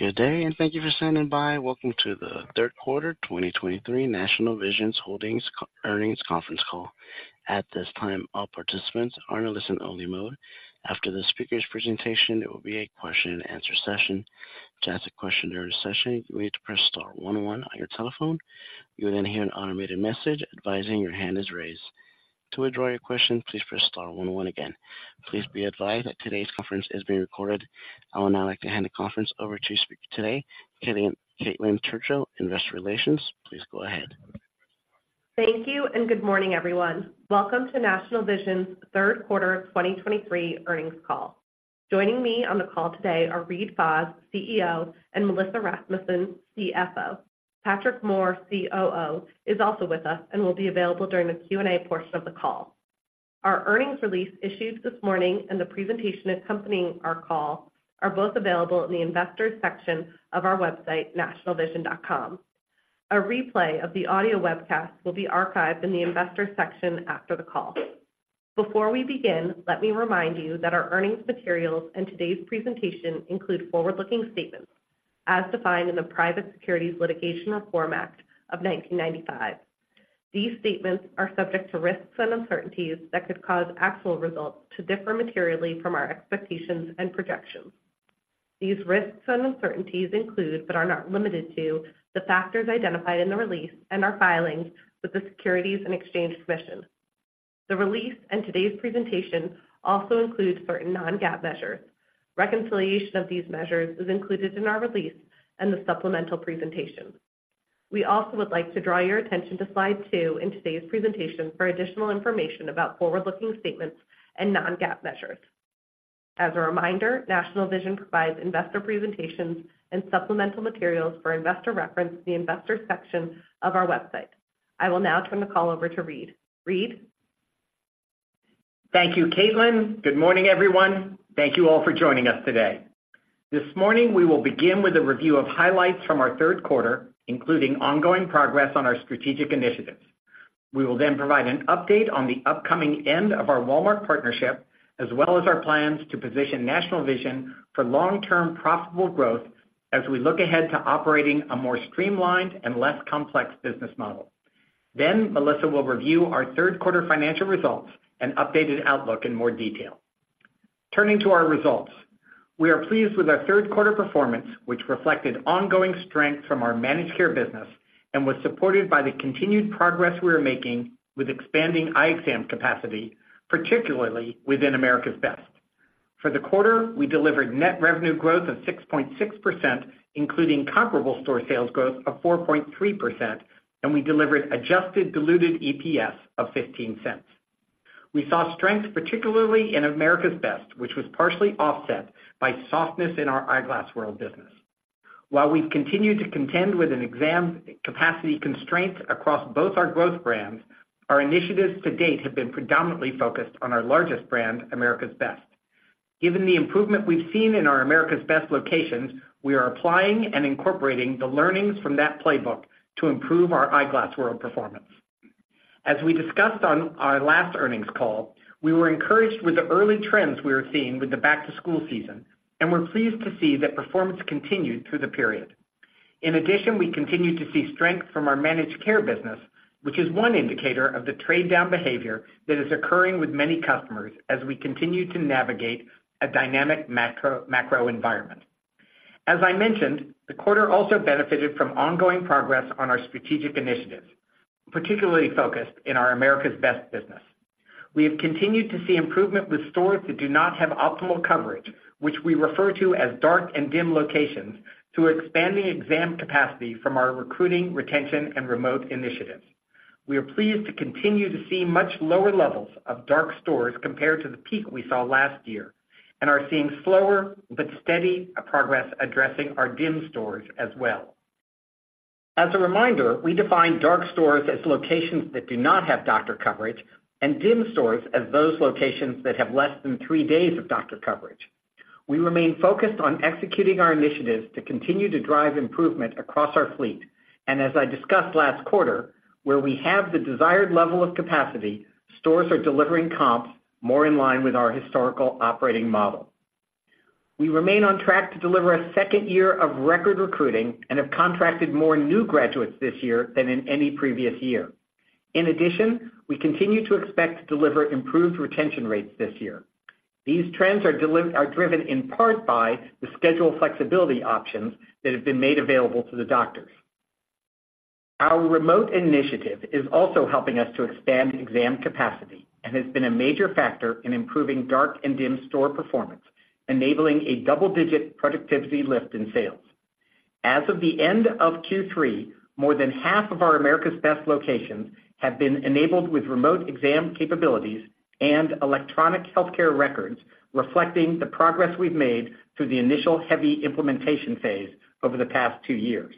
Good day, and thank you for standing by. Welcome to the Q3 2023 National Vision Holdings, Inc. Earnings Conference Call. At this time, all participants are in a listen-only mode. After the speaker's presentation, there will be a question-and-answer session. To ask a question during the session, you need to press star one one on your telephone. You will then hear an automated message advising your hand is raised. To withdraw your question, please press star one one again. Please be advised that today's conference is being recorded. I would now like to hand the conference over to speaker today, Caitlin Churchill, Investor Relations. Please go ahead. Thank you, and good morning, everyone. Welcome to National Vision's Q3 of 2023 earnings call. Joining me on the call today are Reade Fahs, CEO, and Melissa Rasmussen, CFO. Patrick Moore, COO, is also with us and will be available during the Q&A portion of the call. Our earnings release issued this morning and the presentation accompanying our call are both available in the Investors section of our website, nationalvision.com. A replay of the audio webcast will be archived in the Investors section after the call. Before we begin, let me remind you that our earnings materials and today's presentation include forward-looking statements as defined in the Private Securities Litigation Reform Act of 1995. These statements are subject to risks and uncertainties that could cause actual results to differ materially from our expectations and projections. These risks and uncertainties include, but are not limited to, the factors identified in the release and our filings with the Securities and Exchange Commission. The release and today's presentation also include certain non-GAAP measures. Reconciliation of these measures is included in our release and the supplemental presentation. We also would like to draw your attention to slide two in today's presentation for additional information about forward-looking statements and non-GAAP measures. As a reminder, National Vision provides investor presentations and supplemental materials for investor reference in the Investors section of our website. I will now turn the call over to Reade. Reade? Thank you, Caitlin. Good morning, everyone. Thank you all for joining us today. This morning, we will begin with a review of highlights from our Q3, including ongoing progress on our strategic initiatives. We will then provide an update on the upcoming end of our Walmart partnership, as well as our plans to position National Vision for long-term profitable growth as we look ahead to operating a more streamlined and less complex business model. Then Melissa will review our Q3 financial results and updated outlook in more detail. Turning to our results, we are pleased with our Q3 performance, which reflected ongoing strength from our managed care business and was supported by the continued progress we are making with expanding eye exam capacity, particularly within America's Best. For the quarter, we delivered net revenue growth of 6.6%, including comparable store sales growth of 4.3%, and we delivered adjusted diluted EPS of $0.15. We saw strength, particularly in America's Best, which was partially offset by softness in our Eyeglass World business. While we've continued to contend with an exam capacity constraint across both our growth brands, our initiatives to date have been predominantly focused on our largest brand, America's Best. Given the improvement we've seen in our America's Best locations, we are applying and incorporating the learnings from that playbook to improve our Eyeglass World performance. As we discussed on our last earnings call, we were encouraged with the early trends we were seeing with the back-to-school season, and we're pleased to see that performance continued through the period. In addition, we continued to see strength from our managed care business, which is one indicator of the trade-down behavior that is occurring with many customers as we continue to navigate a dynamic macro environment. As I mentioned, the quarter also benefited from ongoing progress on our strategic initiatives, particularly focused in our America's Best business. We have continued to see improvement with stores that do not have optimal coverage, which we refer to as Dark and Dim locations, through expanding exam capacity from our recruiting, retention, and remote initiatives. We are pleased to continue to see much lower levels of Dark Stores compared to the peak we saw last year and are seeing slower but steady progress addressing our Dim Stores as well. As a reminder, we define dark stores as locations that do not have doctor coverage and dim stores as those locations that have less than three days of doctor coverage. We remain focused on executing our initiatives to continue to drive improvement across our fleet. As I discussed last quarter, where we have the desired level of capacity, stores are delivering comps more in line with our historical operating model. We remain on track to deliver a second year of record recruiting and have contracted more new graduates this year than in any previous year. In addition, we continue to expect to deliver improved retention rates this year. These trends are driven in part by the schedule flexibility options that have been made available to the doctors. Our remote initiative is also helping us to expand exam capacity and has been a major factor in improving dark and dim store performance, enabling a double-digit productivity lift in sales. As of the end of Q3, more than half of our America's Best locations have been enabled with remote exam capabilities and electronic health records, reflecting the progress we've made through the initial heavy implementation phase over the past two years.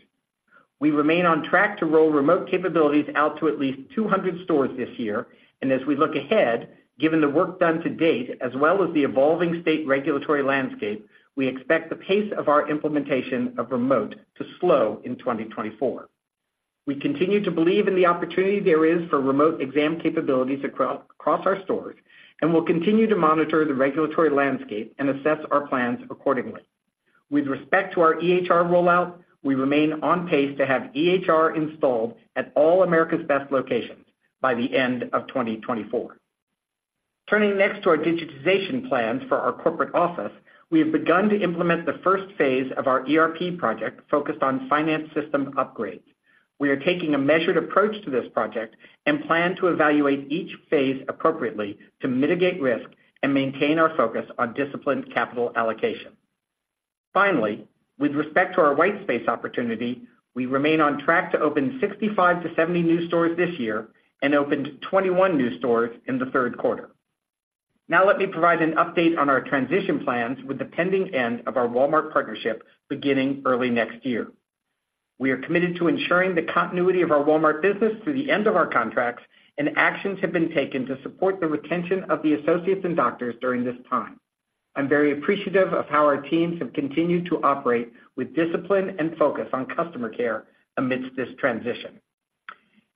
We remain on track to roll remote capabilities out to at least 200 stores this year, and as we look ahead, given the work done to date as well as the evolving state regulatory landscape, we expect the pace of our implementation of remote to slow in 2024. We continue to believe in the opportunity there is for remote exam capabilities across our stores, and we'll continue to monitor the regulatory landscape and assess our plans accordingly. With respect to our EHR rollout, we remain on pace to have EHR installed at all America's Best locations by the end of 2024. Turning next to our digitization plans for our corporate office, we have begun to implement the first phase of our ERP project, focused on finance system upgrades. We are taking a measured approach to this project and plan to evaluate each phase appropriately to mitigate risk and maintain our focus on disciplined capital allocation. Finally, with respect to our white space opportunity, we remain on track to open 65-70 new stores this year and opened 21 new stores in the Q3. Now let me provide an update on our transition plans with the pending end of our Walmart partnership beginning early next year. We are committed to ensuring the continuity of our Walmart business through the end of our contracts, and actions have been taken to support the retention of the associates and doctors during this time. I'm very appreciative of how our teams have continued to operate with discipline and focus on customer care amidst this transition.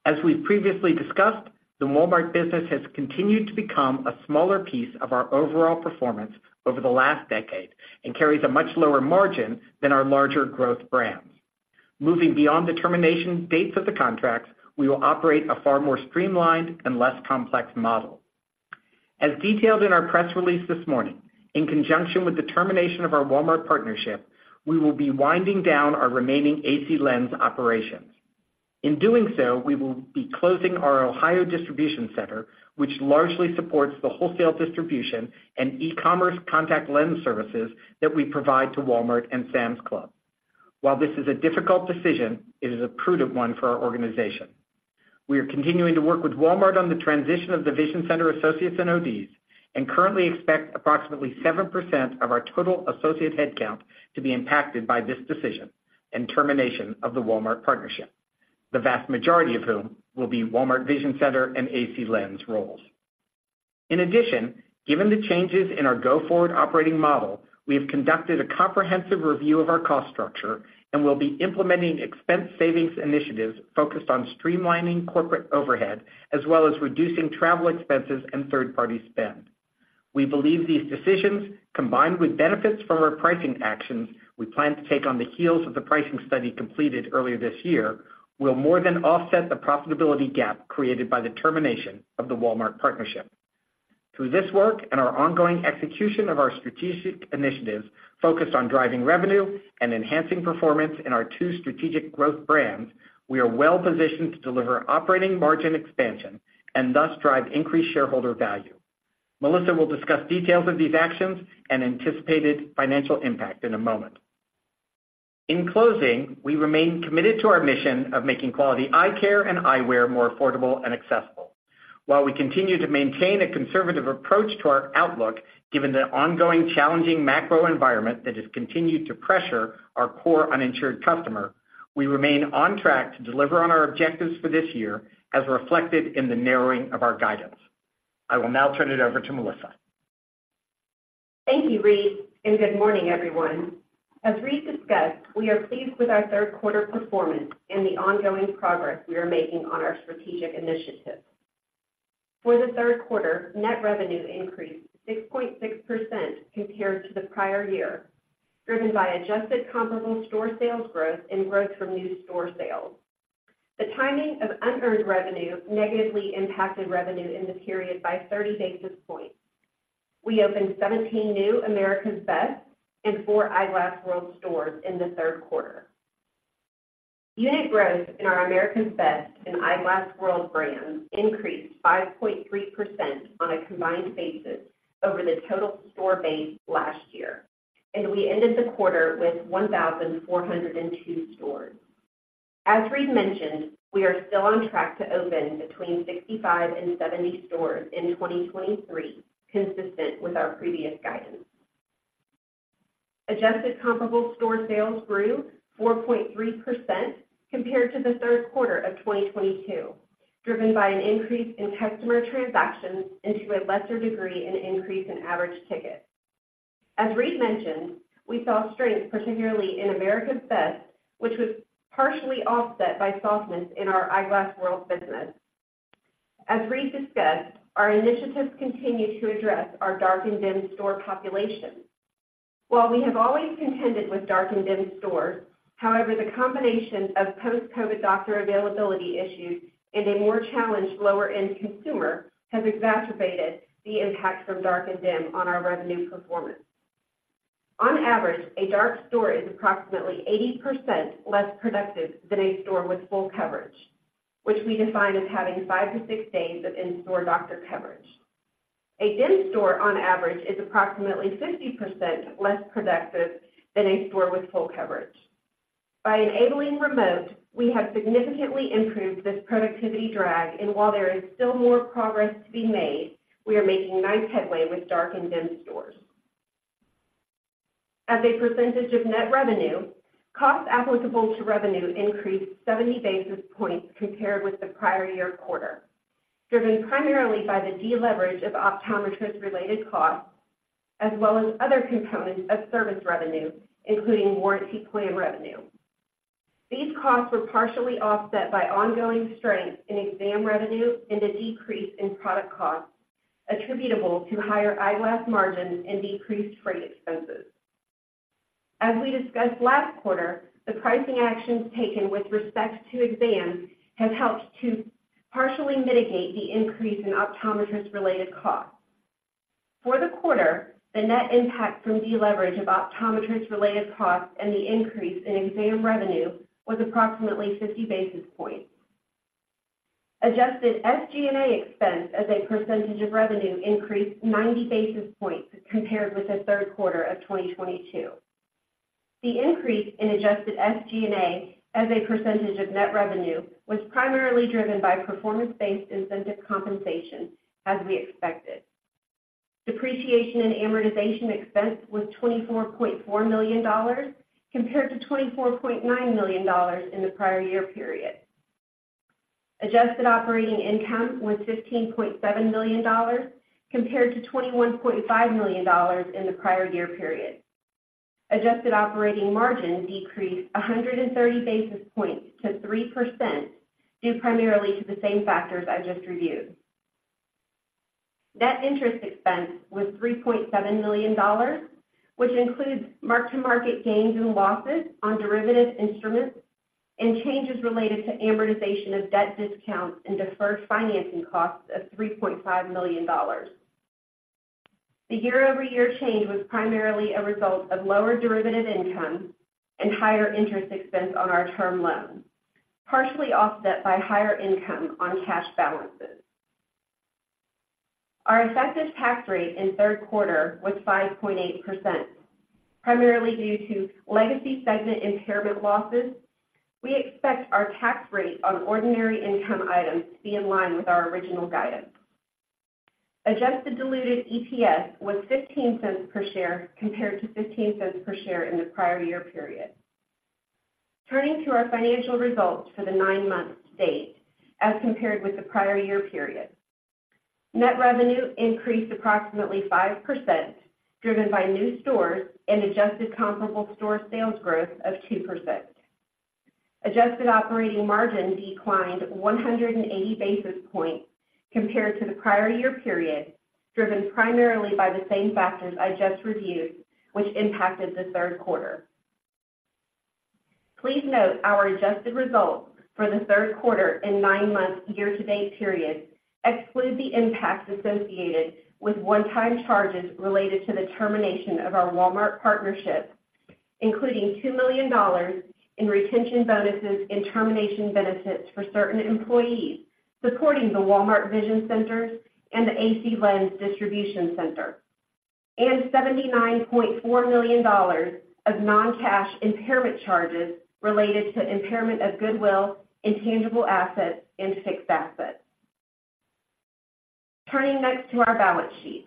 As we've previously discussed, the Walmart business has continued to become a smaller piece of our overall performance over the last decade and carries a much lower margin than our larger growth brands. Moving beyond the termination dates of the contracts, we will operate a far more streamlined and less complex model. As detailed in our press release this morning, in conjunction with the termination of our Walmart partnership, we will be winding down our remaining AC Lens operations. In doing so, we will be closing our Ohio distribution center, which largely supports the wholesale distribution and e-commerce contact lens services that we provide to Walmart and Sam's Club. While this is a difficult decision, it is a prudent one for our organization. We are continuing to work with Walmart on the transition of the vision center associates and ODs, and currently expect approximately 7% of our total associate headcount to be impacted by this decision and termination of the Walmart partnership, the vast majority of whom will be Walmart Vision Center and AC Lens roles. In addition, given the changes in our go-forward operating model, we have conducted a comprehensive review of our cost structure and will be implementing expense savings initiatives focused on streamlining corporate overhead, as well as reducing travel expenses and third-party spend. We believe these decisions, combined with benefits from our pricing actions we plan to take on the heels of the pricing study completed earlier this year, will more than offset the profitability gap created by the termination of the Walmart partnership. Through this work and our ongoing execution of our strategic initiatives focused on driving revenue and enhancing performance in our two strategic growth brands, we are well positioned to deliver operating margin expansion and thus drive increased shareholder value. Melissa will discuss details of these actions and anticipated financial impact in a moment. In closing, we remain committed to our mission of making quality eye care and eyewear more affordable and accessible. While we continue to maintain a conservative approach to our outlook, given the ongoing challenging macro environment that has continued to pressure our core uninsured customer, we remain on track to deliver on our objectives for this year, as reflected in the narrowing of our guidance. I will now turn it over to Melissa. Thank you, Reade, and good morning, everyone. As Reade discussed, we are pleased with our Q3 performance and the ongoing progress we are making on our strategic initiatives. For the Q3, net revenue increased 6.6% compared to the prior year, driven by adjusted comparable store sales growth and growth from new store sales. The timing of unearned revenue negatively impacted revenue in the period by 30 basis points. We opened 17 new America's Best and four Eyeglass World stores in the Q3. Unit growth in our America's Best and Eyeglass World brands increased 5.3% on a combined basis over the total store base last year, and we ended the quarter with 1,402 stores. As Reade mentioned, we are still on track to open between 65 and 70 stores in 2023, consistent with our previous guidance. Adjusted comparable store sales grew 4.3% compared to the Q3 of 2022, driven by an increase in customer transactions and, to a lesser degree, an increase in average ticket. As Reade mentioned, we saw strength, particularly in America's Best, which was partially offset by softness in our Eyeglass World business. As Reade discussed, our initiatives continue to address our Dark and Dim store population. While we have always contended with Dark and Dim stores, however, the combination of post-COVID doctor availability issues and a more challenged lower-end consumer has exacerbated the impact from Dark and Dim on our revenue performance. On average, a Dark store is approximately 80% less productive than a store with full coverage, which we define as having 5-6 days of in-store doctor coverage. A dim store, on average, is approximately 50% less productive than a store with full coverage. By enabling remote, we have significantly improved this productivity drag, and while there is still more progress to be made, we are making nice headway with dark and dim stores. As a percentage of net revenue, costs applicable to revenue increased 70 basis points compared with the prior year quarter, driven primarily by the deleverage of optometrist-related costs, as well as other components of service revenue, including warranty plan revenue. These costs were partially offset by ongoing strength in exam revenue and a decrease in product costs attributable to higher eyeglass margins and decreased freight expenses. As we discussed last quarter, the pricing actions taken with respect to exams have helped to partially mitigate the increase in optometrists-related costs. For the quarter, the net impact from deleverage of optometrists-related costs and the increase in exam revenue was approximately 50 basis points. Adjusted SG&A expense as a percentage of revenue increased 90 basis points compared with the Q3 of 2022. The increase in adjusted SG&A as a percentage of net revenue was primarily driven by performance-based incentive compensation, as we expected. Depreciation and amortization expense was $24.4 million, compared to $24.9 million in the prior year period. Adjusted operating income was $15.7 million, compared to $21.5 million in the prior year period. Adjusted operating margin decreased 130 basis points to 3%, due primarily to the same factors I just reviewed. Net interest expense was $3.7 million, which includes mark-to-market gains and losses on derivative instruments and changes related to amortization of debt discounts and deferred financing costs of $3.5 million. The year-over-year change was primarily a result of lower derivative income and higher interest expense on our term loan, partially offset by higher income on cash balances. Our effective tax rate in the Q3 was 5.8%, primarily due to legacy segment impairment losses. We expect our tax rate on ordinary income items to be in line with our original guidance. Adjusted Diluted EPS was $0.15 per share, compared to $0.15 per share in the prior year period. Turning to our financial results for the nine months to date as compared with the prior year period. Net revenue increased approximately 5%, driven by new stores and adjusted comparable store sales growth of 2%. Adjusted operating margin declined 180 basis points compared to the prior year period, driven primarily by the same factors I just reviewed, which impacted the Q3. Please note, our adjusted results for the Q3 and nine-month year-to-date period exclude the impact associated with one-time charges related to the termination of our Walmart partnership, including $2 million in retention bonuses and termination benefits for certain employees supporting the Walmart Vision Centers and the AC Lens Distribution Center, and $79.4 million of non-cash impairment charges related to impairment of goodwill, intangible assets, and fixed assets. Turning next to our balance sheet.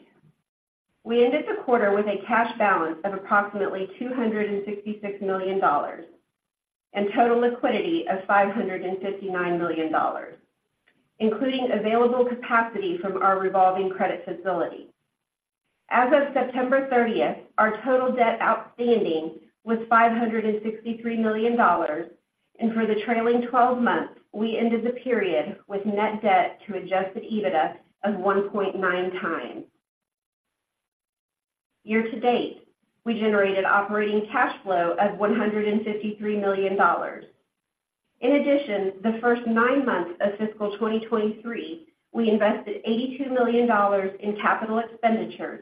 We ended the quarter with a cash balance of approximately $266 million, and total liquidity of $559 million, including available capacity from our revolving credit facility. As of September 30th, our total debt outstanding was $563 million, and for the trailing twelve months, we ended the period with net debt to Adjusted EBITDA of 1.9 times. Year to date, we generated operating cash flow of $153 million. In addition, the first nine months of fiscal 2023, we invested $82 million in capital expenditures,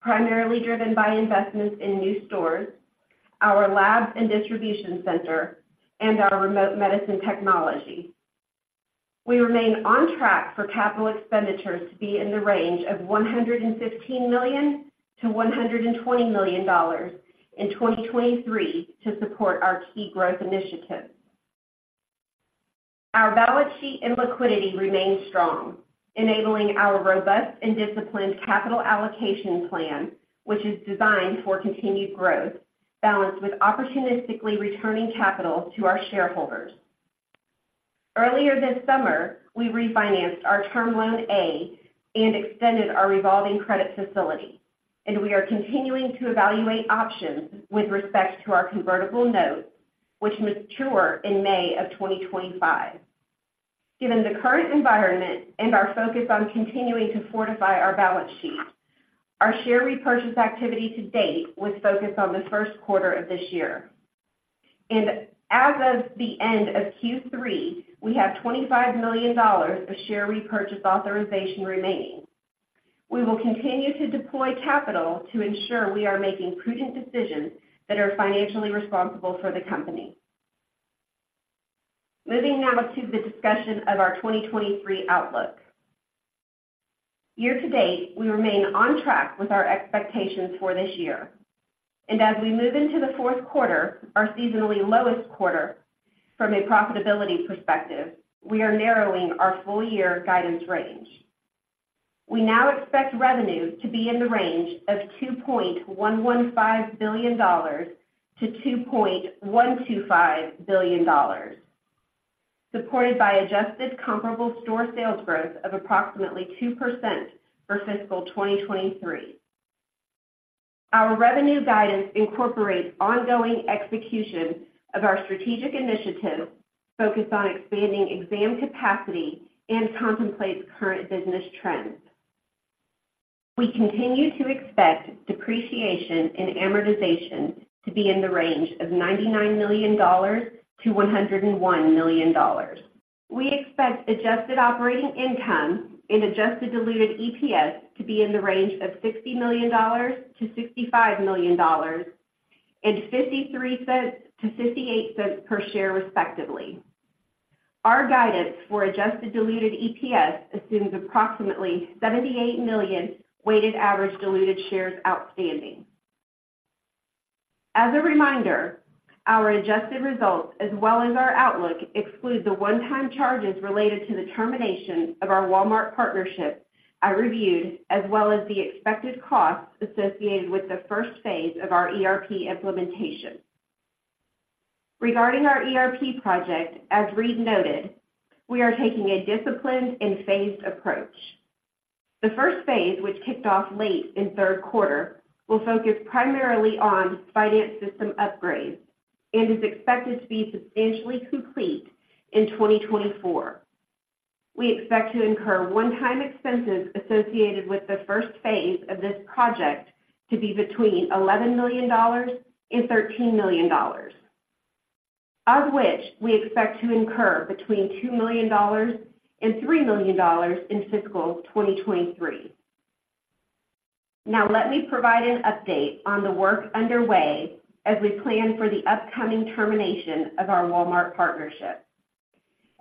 primarily driven by investments in new stores, our labs and distribution center, and our remote medicine technology. We remain on track for capital expenditures to be in the range of $115 million-$120 million in 2023 to support our key growth initiatives. Our balance sheet and liquidity remain strong, enabling our robust and disciplined capital allocation plan, which is designed for continued growth, balanced with opportunistically returning capital to our shareholders. Earlier this summer, we refinanced our Term Loan A and extended our revolving credit facility, and we are continuing to evaluate options with respect to our convertible note, which matures in May of 2025. Given the current environment and our focus on continuing to fortify our balance sheet, our share repurchase activity to date was focused on the first quarter of this year. As of the end of Q3, we have $25 million of share repurchase authorization remaining. We will continue to deploy capital to ensure we are making prudent decisions that are financially responsible for the company. Moving now to the discussion of our 2023 outlook. Year to date, we remain on track with our expectations for this year, and as we move into the Q4, our seasonally lowest quarter from a profitability perspective, we are narrowing our full year guidance range. We now expect revenue to be in the range of $2.115 billion-$2.125 billion, supported by Adjusted Comparable Store Sales Growth of approximately 2% for fiscal 2023. Our revenue guidance incorporates ongoing execution of our strategic initiatives, focused on expanding exam capacity and contemplates current business trends. We continue to expect depreciation and amortization to be in the range of $99 million-$101 million. We expect adjusted operating income and adjusted diluted EPS to be in the range of $60 million-$65 million, and $0.53-$0.58 per share, respectively. Our guidance for adjusted diluted EPS assumes approximately 78 million weighted average diluted shares outstanding. As a reminder, our adjusted results, as well as our outlook, exclude the one-time charges related to the termination of our Walmart partnership I reviewed, as well as the expected costs associated with the first phase of our ERP implementation. Regarding our ERP project, as Reade noted, we are taking a disciplined and phased approach. The first phase, which kicked off late in Q3, will focus primarily on finance system upgrades and is expected to be substantially complete in 2024. We expect to incur one-time expenses associated with the first phase of this project to be between $11 million and $13 million, of which we expect to incur between $2 million and $3 million in fiscal 2023. Now, let me provide an update on the work underway as we plan for the upcoming termination of our Walmart partnership.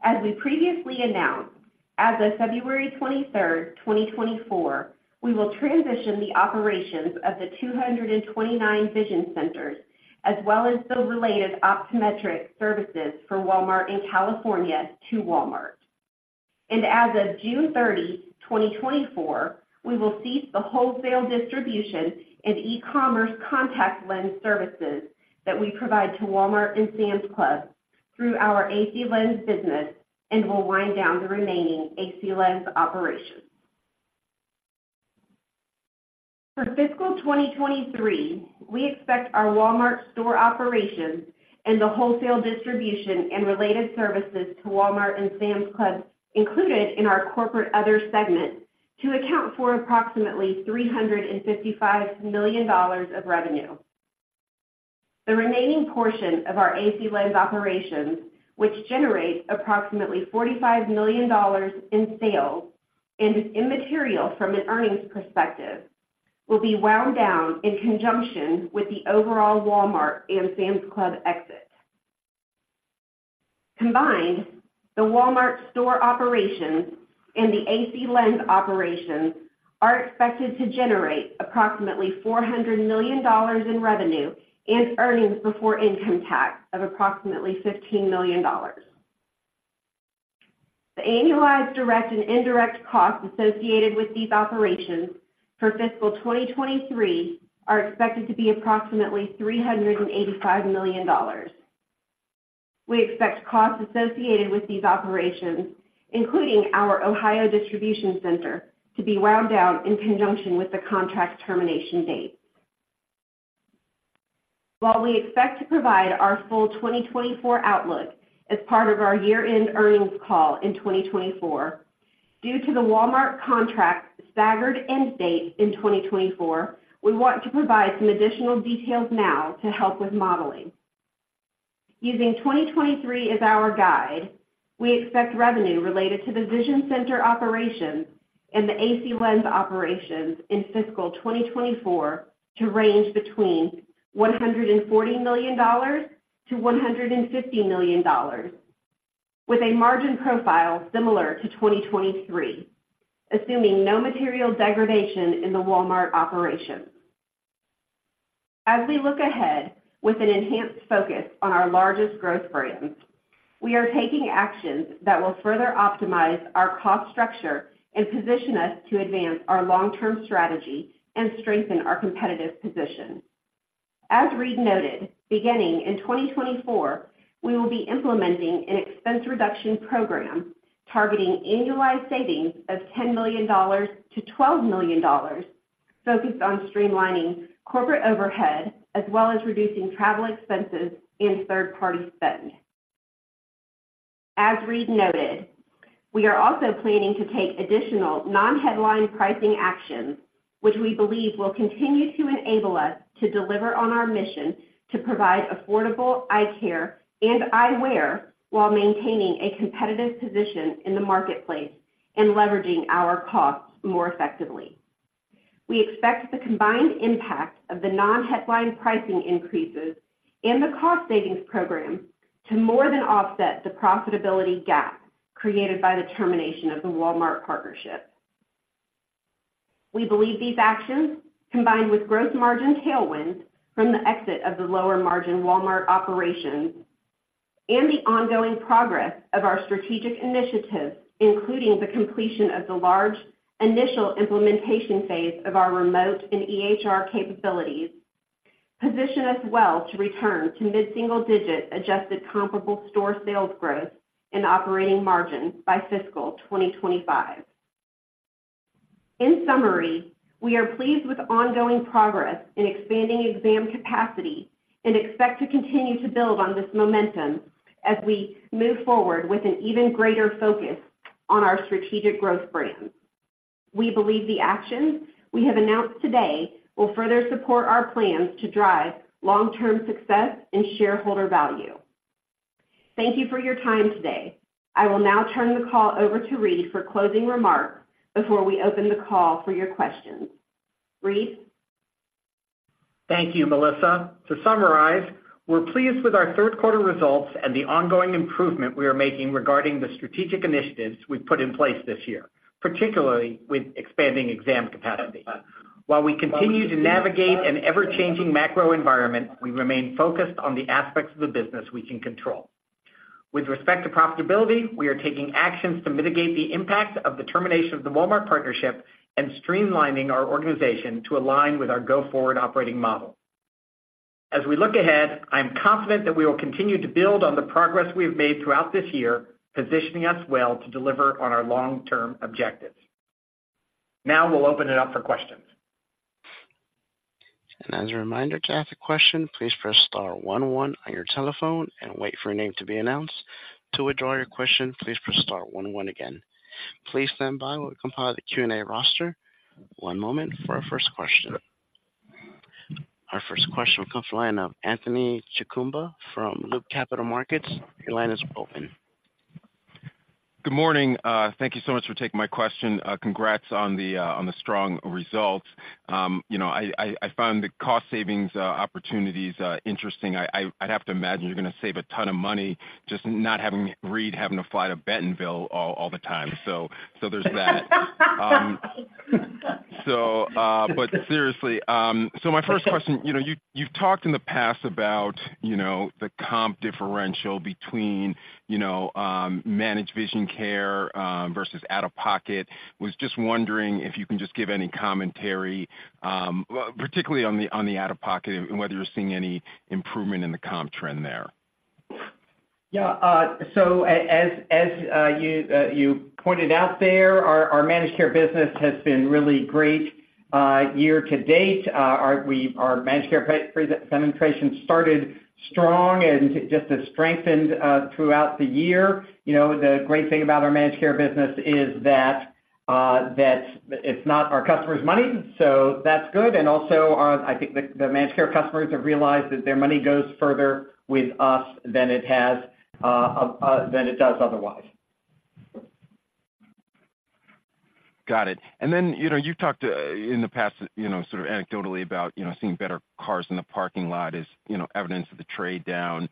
As we previously announced, as of February 23rd, 2024, we will transition the operations of the 229 vision centers, as well as the related optometric services for Walmart in California, to Walmart. As of June 30th, 2024, we will cease the wholesale distribution and e-commerce contact lens services that we provide to Walmart and Sam's Club through our AC Lens business and will wind down the remaining AC Lens operations. For fiscal 2023, we expect our Walmart store operations and the wholesale distribution and related services to Walmart and Sam's Club, included in our corporate other segment, to account for approximately $355 million of revenue. The remaining portion of our AC Lens operations, which generates approximately $45 million in sales and is immaterial from an earnings perspective, will be wound down in conjunction with the overall Walmart and Sam's Club exit. Combined, the Walmart store operations and the AC Lens operations are expected to generate approximately $400 million in revenue and earnings before income tax of approximately $15 million. The annualized direct and indirect costs associated with these operations for fiscal 2023 are expected to be approximately $385 million. We expect costs associated with these operations, including our Ohio distribution center, to be wound down in conjunction with the contract termination date. While we expect to provide our full 2024 outlook as part of our year-end earnings call in 2024, due to the Walmart contract's staggered end date in 2024, we want to provide some additional details now to help with modeling. Using 2023 as our guide, we expect revenue related to the vision center operations and the AC Lens operations in fiscal 2024 to range between $140 million and $150 million, with a margin profile similar to 2023, assuming no material degradation in the Walmart operations. As we look ahead with an enhanced focus on our largest growth brands, we are taking actions that will further optimize our cost structure and position us to advance our long-term strategy and strengthen our competitive position. As Reade noted, beginning in 2024, we will be implementing an expense reduction program targeting annualized savings of $10 million-$12 million, focused on streamlining corporate overhead, as well as reducing travel expenses and third-party spend. As Reade noted, we are also planning to take additional non-headline pricing actions, which we believe will continue to enable us to deliver on our mission to provide affordable eye care and eyewear while maintaining a competitive position in the marketplace and leveraging our costs more effectively. We expect the combined impact of the non-headline pricing increases and the cost savings program to more than offset the profitability gap created by the termination of the Walmart partnership. We believe these actions, combined with gross margin tailwinds from the exit of the lower-margin Walmart operations and the ongoing progress of our strategic initiatives, including the completion of the large initial implementation phase of our remote and EHR capabilities, position us well to return to mid-single-digit Adjusted Comparable Store Sales Growth and operating margins by fiscal 2025. In summary, we are pleased with ongoing progress in expanding exam capacity and expect to continue to build on this momentum as we move forward with an even greater focus on our strategic growth brands. We believe the actions we have announced today will further support our plans to drive long-term success and shareholder value. Thank you for your time today. I will now turn the call over to Reade for closing remarks before we open the call for your questions. Reade? Thank you, Melissa. To summarize, we're pleased with our Q3 results and the ongoing improvement we are making regarding the strategic initiatives we've put in place this year, particularly with expanding exam capacity. While we continue to navigate an ever-changing macro environment, we remain focused on the aspects of the business we can control. With respect to profitability, we are taking actions to mitigate the impact of the termination of the Walmart partnership and streamlining our organization to align with our go-forward operating model. As we look ahead, I'm confident that we will continue to build on the progress we've made throughout this year, positioning us well to deliver on our long-term objectives. Now we'll open it up for questions. As a reminder, to ask a question, please press star one one on your telephone and wait for your name to be announced. To withdraw your question, please press star one one again. Please stand by while we compile the Q&A roster. One moment for our first question. Our first question will come from the line of Anthony Chukumba from Loop Capital Markets. Your line is open. Good morning. Thank you so much for taking my question. Congrats on the strong results. You know, I found the cost savings opportunities interesting. I'd have to imagine you're gonna save a ton of money just not having Reade having to fly to Bentonville all the time. There's that. Seriously, so my first question, you know, you've talked in the past about, you know, the comp differential between managed vision care versus out-of-pocket. I was just wondering if you can just give any commentary, particularly on the out-of-pocket and whether you're seeing any improvement in the comp trend there. Yeah, so as you pointed out there, our Managed Care business has been really great year to date. Our Managed Care penetration started strong and just has strengthened throughout the year. You know, the great thing about our Managed Care business is that it's not our customers' money, so that's good. Also, I think the Managed Care customers have realized that their money goes further with us than it has than it does otherwise. Got it. Then, you know, you've talked in the past, you know, sort of anecdotally about, you know, seeing better cars in the parking lot is, you know, evidence of the trade down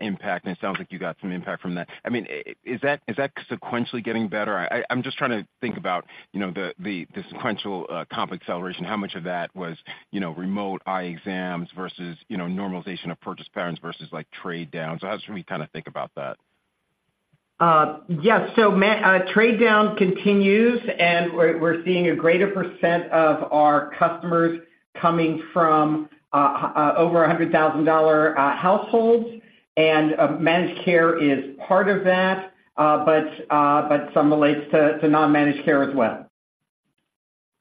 impact, and it sounds like you got some impact from that. I mean, is that sequentially getting better? I'm just trying to think about, you know, the sequential comp acceleration, how much of that was, you know, remote eye exams versus, you know, normalization of purchase patterns versus, like, trade downs. How should we kind of think about that? yes. Trade down continues, and we're seeing a greater percent of our customers coming from over $100,000 households, and managed care is part of that, but some relates to non-managed care as well.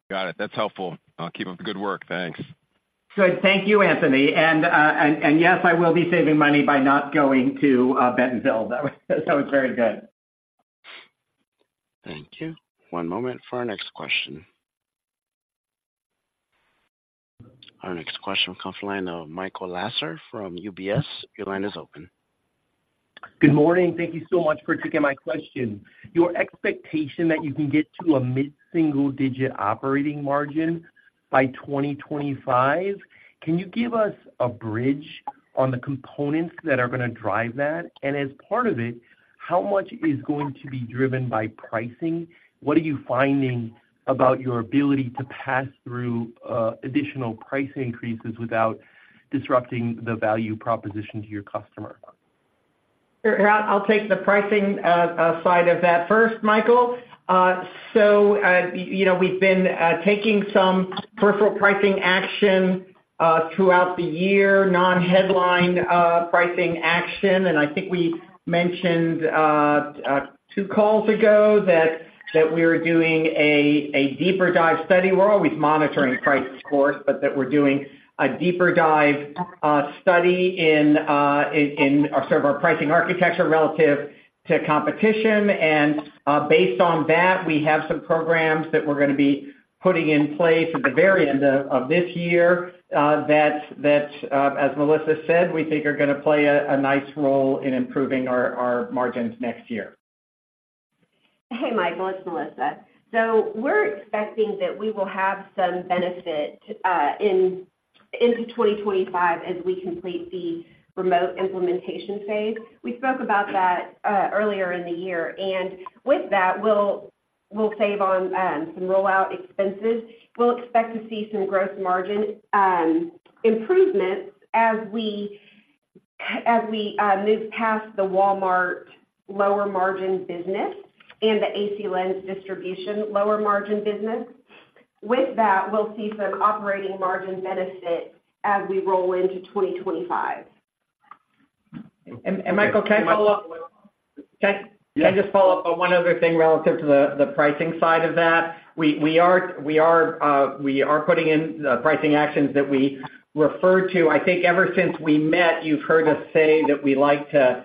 Got it. That's helpful. Keep up the good work. Thanks. Good. Thank you, Anthony and yes, I will be saving money by not going to Bentonville. That was very good. Thank you. One moment for our next question. Our next question comes from the line of Michael Lasser from UBS. Your line is open. Good morning. Thank you so much for taking my question. Your expectation that you can get to a mid-single digit operating margin by 2025, can you give us a bridge on the components that are gonna drive that? As part of it, how much is going to be driven by pricing? What are you finding about your ability to pass through additional price increases without disrupting the value proposition to your customer? I'll take the pricing side of that first, Michael. You know, we've been taking some peripheral pricing action throughout the year, non-headline pricing action, and I think we mentioned two calls ago that we were doing a deeper dive study. We're always monitoring prices, of course, but that we're doing a deeper dive study in sort of our pricing architecture relative to competition. Based on that, we have some programs that we're gonna be putting in place at the very end of this year, that as Melissa said, we think are gonna play a nice role in improving our margins next year. Hey, Michael, it's Melissa. We're expecting that we will have some benefit into 2025 as we complete the remote implementation phase. We spoke about that earlier in the year, and with that, we'll save on some rollout expenses. We'll expect to see some gross margin improvements as we move past the Walmart lower margin business and the AC Lens distribution lower margin business. With that, we'll see some operating margin benefit as we roll into 2025. Michael, can I follow up? Can- Yes. Can I just follow up on one other thing relative to the pricing side of that? We are putting in the pricing actions that we referred to. I think ever since we met, you've heard us say that we like to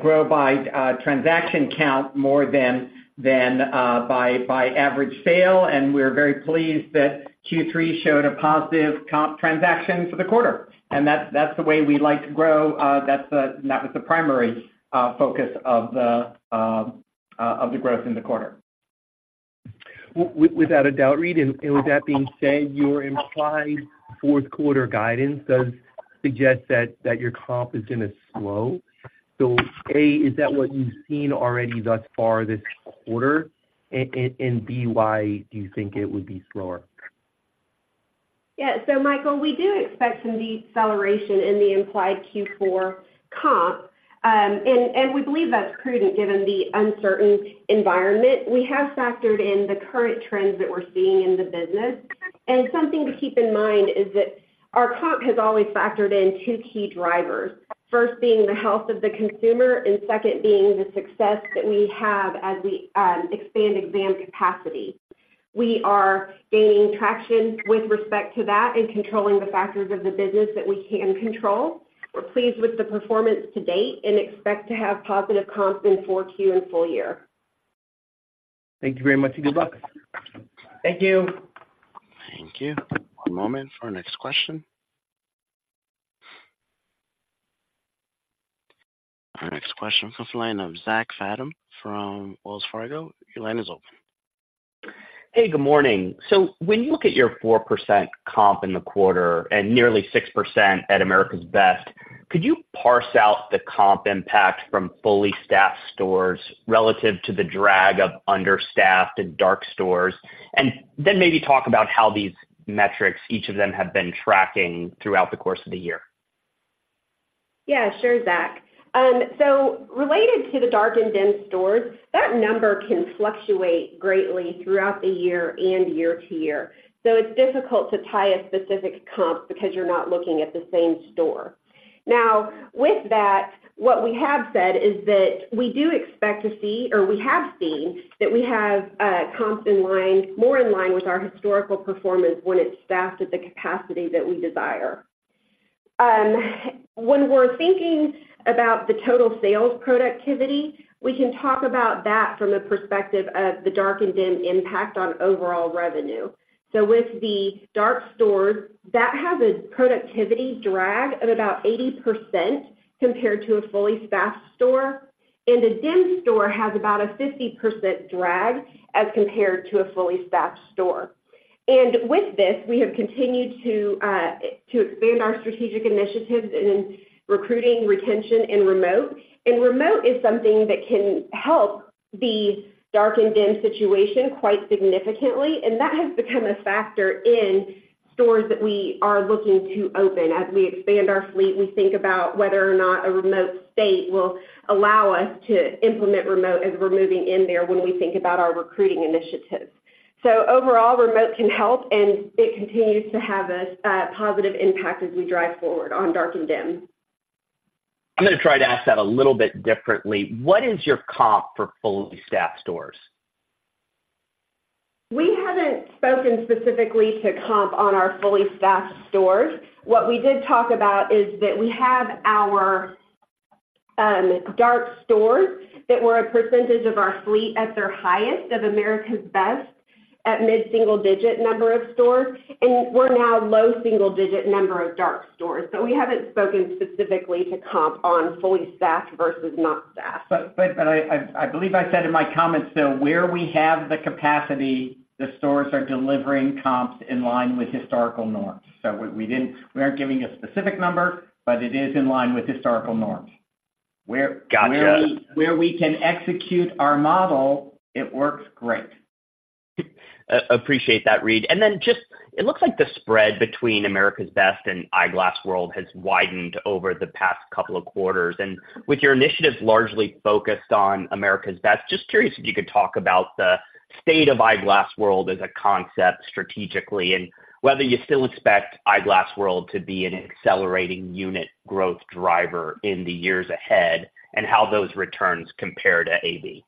grow by transaction count more than by average sale, and we're very pleased that Q3 showed a positive comp transaction for the quarter. That's the way we like to grow. That was the primary focus of the growth in the quarter. Without a doubt, reade. With that being said, your implied Q4 guidance does suggest that your comp is gonna slow. A, is that what you've seen already thus far this quarter? B, why do you think it would be slower? Yeah. Michael, we do expect some deceleration in the implied Q4 comp. We believe that's prudent, given the uncertain environment. We have factored in the current trends that we're seeing in the business. Something to keep in mind is that our comp has always factored in two key drivers. First, being the health of the consumer, and second, being the success that we have as we expand exam capacity. We are gaining traction with respect to that and controlling the factors of the business that we can control. We're pleased with the performance to date and expect to have positive comps in 4Q and full year. Thank you very much, and good luck. Thank you. Thank you. One moment for our next question. Our next question comes from the line of Zach Fadem from Wells Fargo. Your line is open. Hey, good morning. When you look at your 4% comp in the quarter, and nearly 6% at America's Best, could you parse out the comp impact from fully staffed stores relative to the drag of understaffed and dark stores? Then maybe talk about how these metrics, each of them, have been tracking throughout the course of the year. Yeah, sure, Zach. Related to the dark and dim stores, that number can fluctuate greatly throughout the year and year to year. It's difficult to tie a specific comp because you're not looking at the same store. Now, with that, what we have said is that we do expect to see, or we have seen, that we have, comps in line, more in line with our historical performance when it's staffed at the capacity that we desire. When we're thinking about the total sales productivity, we can talk about that from a perspective of the dark and dim impact on overall revenue. With the dark stores, that has a productivity drag of about 80% compared to a fully staffed store, and a dim store has about a 50% drag as compared to a fully staffed store. With this, we have continued to expand our strategic initiatives in recruiting, retention, and remote. Remote is something that can help the dark and dim situation quite significantly, and that has become a factor in stores that we are looking to open. As we expand our fleet, we think about whether or not a remote state will allow us to implement remote as we're moving in there, when we think about our recruiting initiatives. Overall, remote can help, and it continues to have a positive impact as we drive forward on dark and dim. I'm gonna try to ask that a little bit differently. What is your comp for fully staffed stores? We haven't spoken specifically to comp on our fully staffed stores. What we did talk about is that we have our dark stores that were a percentage of our fleet at their highest of America's Best, at mid-single digit number of stores, and we're now low single digit number of dark stores. We haven't spoken specifically to comp on fully staffed versus not staffed. I believe I said in my comments, though, where we have the capacity, the stores are delivering comps in line with historical norms. We didn't. We aren't giving a specific number, but it is in line with historical norms. Gotcha. Where we can execute our model, it works great. Appreciate that, reade. Then just, it looks like the spread between America's Best and Eyeglass World has widened over the past couple of quarters. With your initiatives largely focused on America's Best, just curious if you could talk about the state of Eyeglass World as a concept strategically, and whether you still expect Eyeglass World to be an accelerating unit growth driver in the years ahead, and how those returns compare to AB.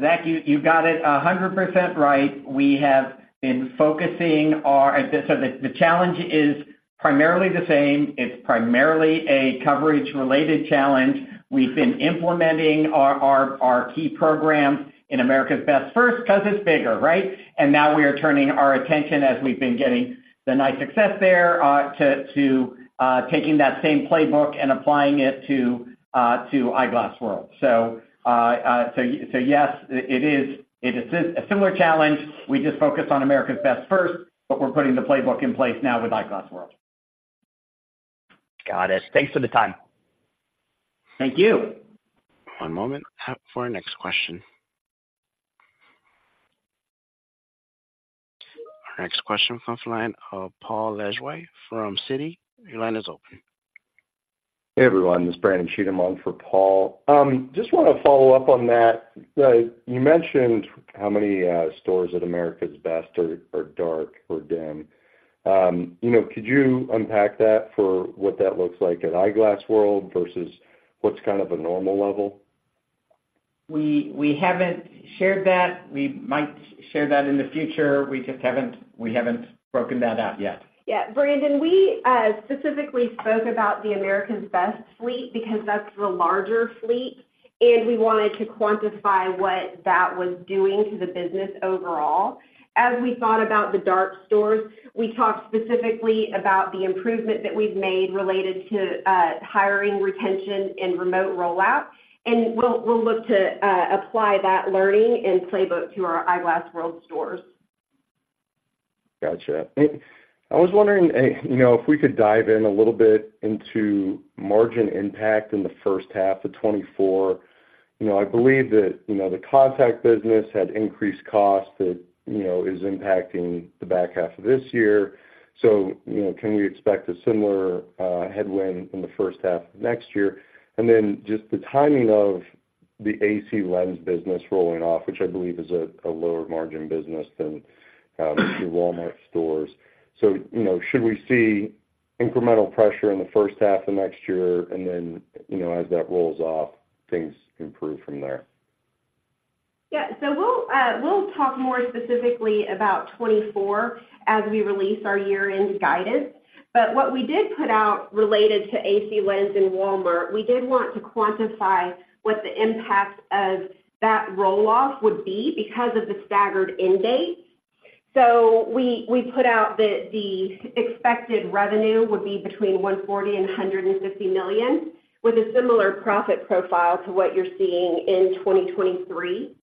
Zach, you got it 100% right. We have been focusing our, so the challenge is primarily the same. It's primarily a coverage-related challenge. We've been implementing our key programs in America's Best first, 'cause it's bigger, right? Now we are turning our attention, as we've been getting the nice success there, to taking that same playbook and applying it to Eyeglass world. Yes, it is. It is a similar challenge. We just focus on America's Best first, but we're putting the playbook in place now with Eyeglass World. Got it. Thanks for the time. Thank you. One moment, for our next question. Our next question comes from the line of Paul Lejuez from Citi. Your line is open. Hey, everyone, this is Brandon Cheatham on for Paul. Just want to follow up on that. You mentioned how many stores at America's Best are dark or dim. You know, could you unpack that for what that looks like at Eyeglass World versus what's kind of a normal level? We haven't shared that. We might share that in the future. We just haven't broken that out yet. Yeah, Brandon, we specifically spoke about the America's Best fleet because that's the larger fleet, and we wanted to quantify what that was doing to the business overall. As we thought about the dark stores, we talked specifically about the improvement that we've made related to hiring, retention, and remote rollout, and we'll, we'll look to apply that learning and playbook to our Eyeglass World stores. Gotcha. I was wondering, you know, if we could dive in a little bit into margin impact in the H1 of 2024. You know, I believe that, you know, the contact business had increased costs that, you know, is impacting the back half of this year. You know, can we expect a similar headwind in the H1 of next year? Then just the timing of the AC Lens business rolling off, which I believe is a lower margin business than your Walmart stores. You know, should we see incremental pressure in the H1 of next year, and then, you know, as that rolls off, things improve from there? yeah. We'll talk more specifically about 2024 as we release our year-end guidance. What we did put out related to AC Lens and Walmart, we did want to quantify what the impact of that roll-off would be because of the staggered end date. We put out that the expected revenue would be between $140 million and $150 million, with a similar profit profile to what you're seeing in 2023.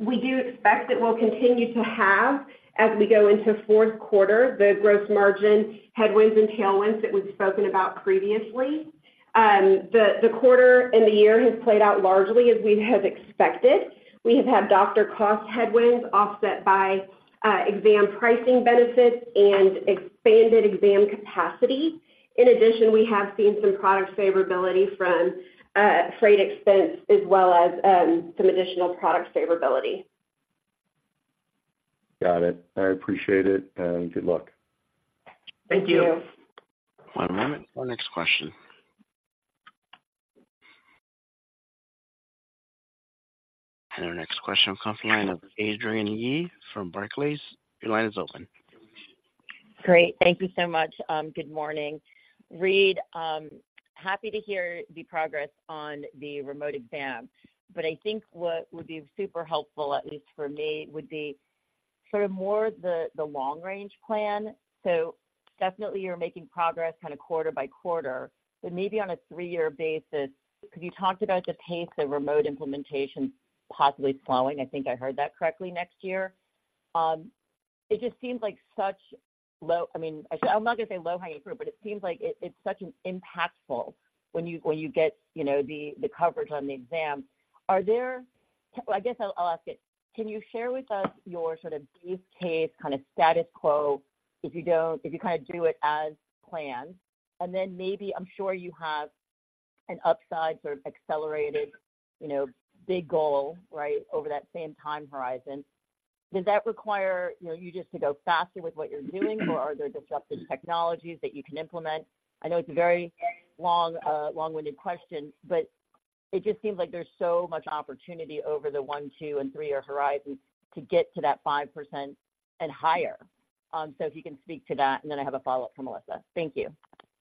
We do expect that we'll continue to have, as we go into Q4, the gross margin headwinds and tailwinds that we've spoken about previously. The quarter and the year has played out largely as we had expected. We have had doctor cost headwinds offset by exam pricing benefits and expanded exam capacity. In addition, we have seen some product favorability from freight expense as well as some additional product favorability. Got it. I appreciate it, and good luck. Thank you. Thank you. One moment, our next question. Our next question comes from the line of Adrienne Yih from Barclays. Your line is open. Great. Thank you so much. Good morning. Reade, happy to hear the progress on the remote exam, but I think what would be super helpful, at least for me, would be sort of more the, the long range plan. Definitely you're making progress kind of quarter by quarter, but maybe on a three-year basis, could you talk about the pace of remote implementation possibly slowing? I think I heard that correctly next year. It just seems like such low - I mean, I'm not gonna say low hanging fruit, but it seems like it, it's such an impactful when you, when you get, you know, the, the coverage on the exam. Are there, well, I guess I'll, I'll ask it. Can you share with us your sort of base case, kind of status quo, if you don't, if you kind of do it as planned? Then maybe I'm sure you have an upside sort of accelerated, you know, big goal, right, over that same time horizon. Does that require, you know, you just to go faster with what you're doing, or are there disruptive technologies that you can implement? I know it's a very long, long-winded question, but it just seems like there's so much opportunity over the one, two, and three year horizon to get to that 5% and higher. If you can speak to that, and then I have a follow-up for Melissa. Thank you.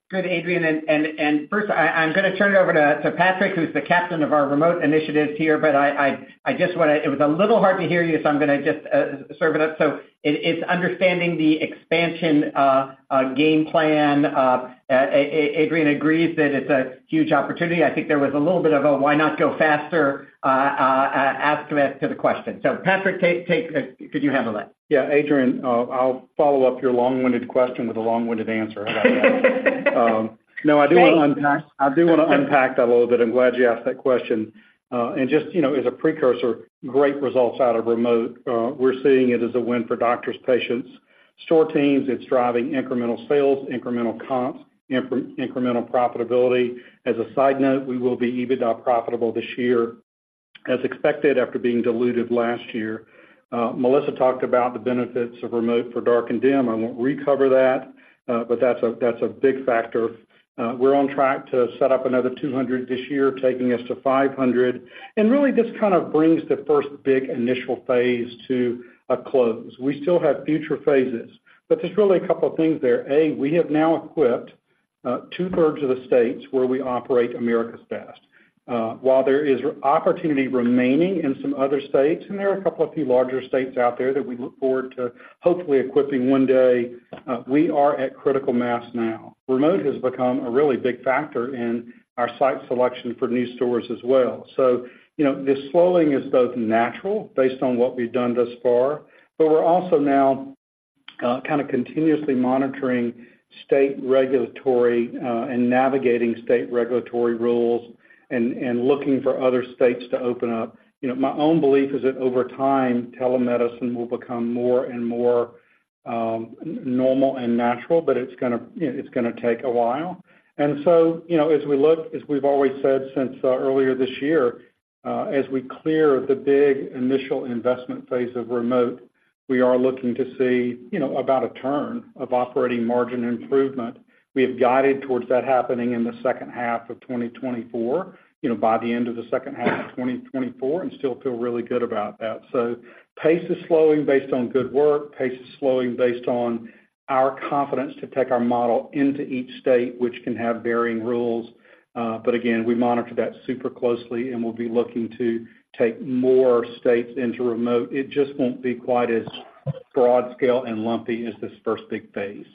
Good, Adrienne, and first, I'm gonna turn it over to Patrick, who's the captain of our remote initiatives here, but I just wanna—it was a little hard to hear you, so I'm gonna just serve it up. It's understanding the expansion game plan. Adrienne agrees that it's a huge opportunity. I think there was a little bit of a why not go faster aspect to the question. Patrick, take it, could you handle that? Yeah, Adrienne, I'll follow up your long-winded question with a long-winded answer. How about that? Great. No, I do wanna unpack, I do wanna unpack that a little bit. I'm glad you asked that question. Just, you know, as a precursor, great results out of remote. We're seeing it as a win for doctors, patients, store teams. It's driving incremental sales, incremental comps, incremental profitability. As a side note, we will be EBITDA profitable this year, as expected, after being diluted last year. Melissa talked about the benefits of remote for dark and dim. I won't recover that, but that's a big factor. We're on track to set up another 200 this year, taking us to 500, and really just kind of brings the first big initial phase to a close. We still have future phases, but there's really a couple of things there. A, we have now equipped two-thirds of the states where we operate America's Best. While there is opportunity remaining in some other states, and there are a couple of few larger states out there that we look forward to hopefully equipping one day, we are at critical mass now. Remote has become a really big factor in our site selection for new stores as well. You know, this slowing is both natural, based on what we've done thus far, but we're also kind of continuously monitoring state regulatory and navigating state regulatory rules and looking for other states to open up. You know, my own belief is that over time, telemedicine will become more and more normal and natural, but it's gonna, it's gonna take a while. You know, as we look, as we've always said since earlier this year, as we clear the big initial investment phase of remote, we are looking to see, you know, about a turn of operating margin improvement. We have guided towards that happening in the H2 of 2024, you know, by the end of the H2 of 2024, and still feel really good about that. Pace is slowing based on good work. Pace is slowing based on our confidence to take our model into each state, which can have varying rules. Again, we monitor that super closely, and we'll be looking to take more states into remote. It just won't be quite as broad scale and lumpy as this first big phase.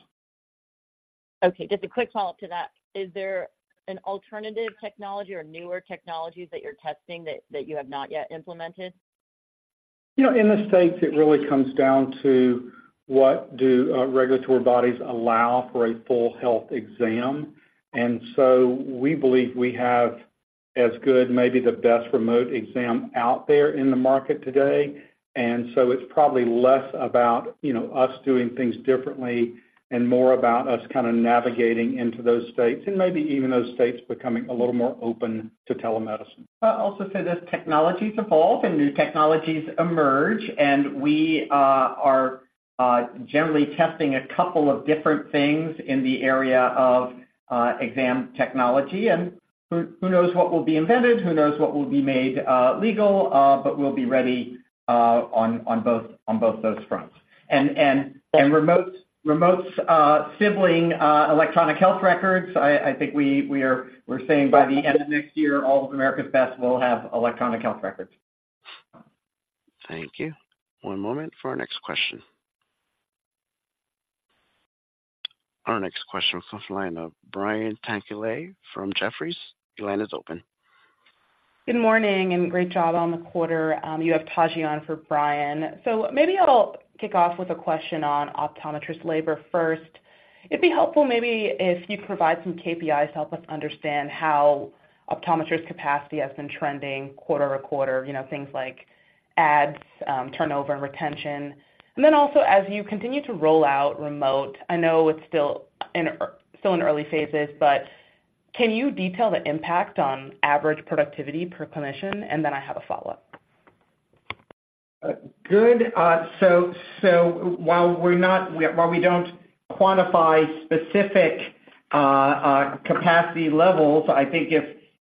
Okay, just a quick follow-up to that. Is there an alternative technology or newer technologies that you're testing that you have not yet implemented? You know, in the States, it really comes down to what do regulatory bodies allow for a full health exam. We believe we have as good, maybe the best remote exam out there in the market today. It's probably less about, you know, us doing things differently and more about us kind of navigating into those states, and maybe even those states becoming a little more open to telemedicine. I'll also say this, technologies evolve and new technologies emerge, and we are generally testing a couple of different things in the area of exam technology, and who knows what will be invented, who knows what will be made legal, but we'll be ready on both those fronts. Remote's sibling, electronic health records, I think we are-- we're saying by the end of next year, all of America's Best will have electronic health records. Thank you. One moment for our next question. Our next question comes from the line of Brian Tanquilut from Jefferies. Your line is open. Good morning, and great job on the quarter. You have Taji on for Brian. Maybe I'll kick off with a question on optometrist labor first. It'd be helpful maybe if you'd provide some KPIs to help us understand how optometrist capacity has been trending quarter-to-quarter, you know, things like ads, turnover, and retention. Then also, as you continue to roll out remote, I know it's still in early phases, but can you detail the impact on average productivity per clinician? Then I have a follow-up. good. While we don't quantify specific capacity levels, I think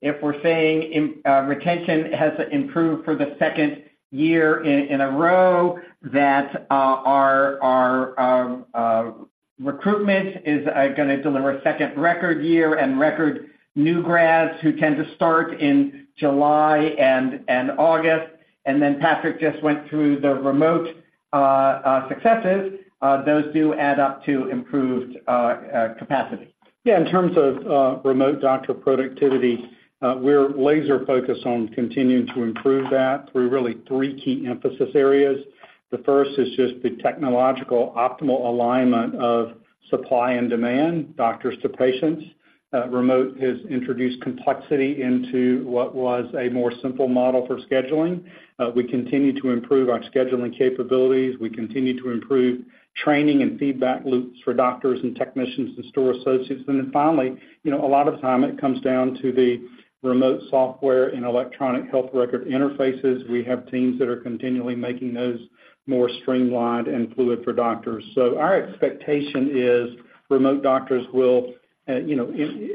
if we're saying retention has improved for the second year in a row, that our recruitment is gonna deliver a second record year and record new grads who tend to start in July and August. Then Patrick just went through the remote successes, those do add up to improved capacity. Yeah, in terms of remote doctor productivity, we're laser focused on continuing to improve that through really three key emphasis areas. The first is just the technological optimal alignment of supply and demand, doctors to patients. Remote has introduced complexity into what was a more simple model for scheduling. We continue to improve our scheduling capabilities, we continue to improve training and feedback loops for doctors and technicians and store associates. Then finally, you know, a lot of the time, it comes down to the remote software and electronic health record interfaces. We have teams that are continually making those more streamlined and fluid for doctors. Our expectation is remote doctors will, you know,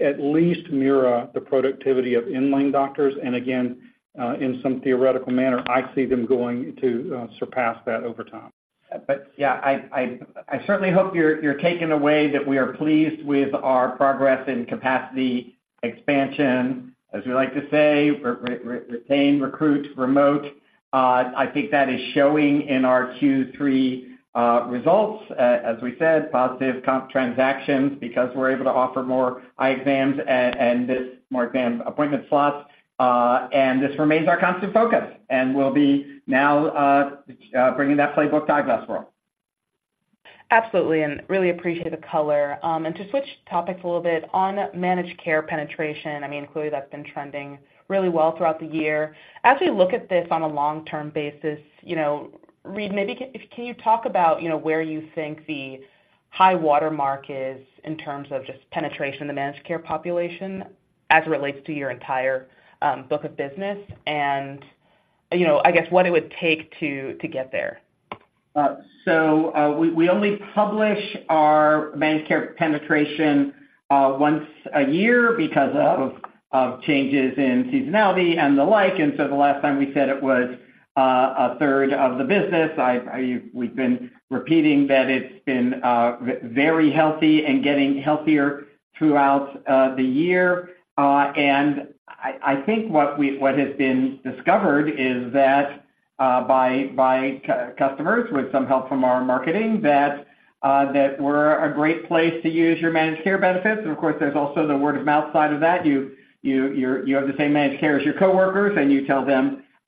at least mirror the productivity of in-line doctors, and again, in some theoretical manner, I see them going to surpass that over time. Yeah, I certainly hope you're taking away that we are pleased with our progress in capacity expansion. As we like to say, retain, recruit, remote. I think that is showing in our Q3 results. As we said, positive comp transactions because we're able to offer more eye exams and this more exam appointment slots. This remains our constant focus, and we'll be now bringing that playbook to Eyeglass World. Absolutely, and really appreciate the color. To switch topics a little bit, on managed care penetration, I mean, clearly, that's been trending really well throughout the year. As we look at this on a long-term basis, you know, Reade, maybe can you talk about, you know, where you think the high water mark is in terms of just penetration in the managed care population as it relates to your entire book of business? And, you know, I guess what it would take to get there. So, we only publish our Managed Care penetration once a year because of changes in seasonality and the like. The last time we said it was a third of the business, we've been repeating that it's been very healthy and getting healthier throughout the year. I think what has been discovered is that by customers with some help from our marketing, that we're a great place to use your Managed Care benefits. Of course, there's also the word-of-mouth side of that. You have the same Managed Care as your coworkers, and you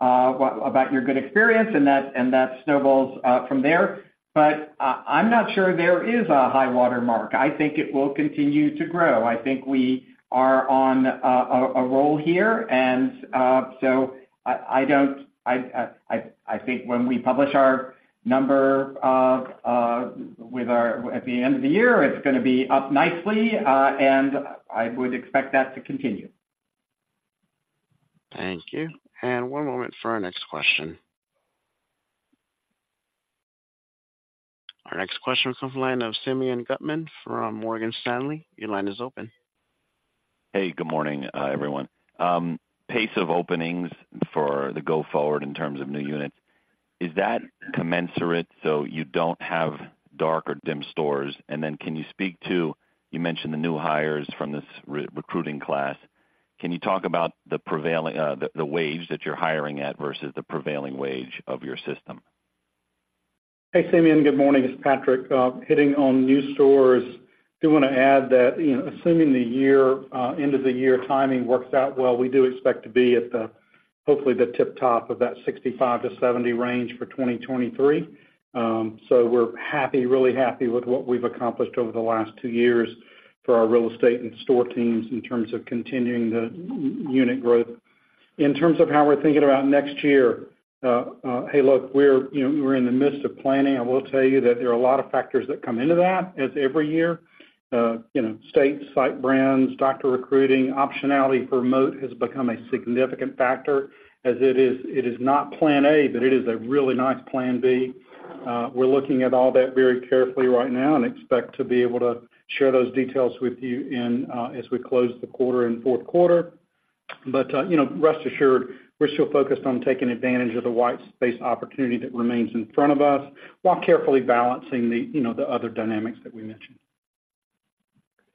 tell them about your good experience, and that snowballs from there. W, I'm not sure there is a high water mark. I think it will continue to grow. I think we are on a roll here, and so I think when we publish our number at the end of the year, it's gonna be up nicely, and I would expect that to continue. Thank you. One moment for our next question. Our next question comes from the line of Simeon Gutman from Morgan Stanley. Your line is open. Hey, good morning, everyone. Pace of openings for the go-forward in terms of new units, is that commensurate, so you don't have Dark or Dim stores? Then can you speak to, you mentioned the new hires from this recruiting class. Can you talk about the prevailing wage that you're hiring at versus the prevailing wage of your system? Hey, Simeon, good morning. It's Patrick. Hitting on new stores, I do want to add that, you know, assuming the year end-of-the-year timing works out well, we do expect to be at the, hopefully, the tip top of that 65-70 range for 2023. We're happy, really happy with what we've accomplished over the last two years for our real estate and store teams in terms of continuing the unit growth. In terms of how we're thinking about next year, hey, look, we're, you know, we're in the midst of planning. I will tell you that there are a lot of factors that come into that, as every year. You know, state, site brands, doctor recruiting, optionality for remote has become a significant factor, as it is, it is not plan A, but it is a really nice plan B. We're looking at all that very carefully right now and expect to be able to share those details with you in, as we close the quarter in Q4. W, you know, rest assured, we're still focused on taking advantage of the White Space Opportunity that remains in front of us, while carefully balancing the, you know, the other dynamics that we mentioned.